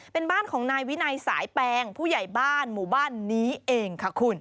เป็นบ้านของนายวินัยสายแปลงผู้ใหญ่บ้านหมู่บ้านนี้เองค่ะคุณ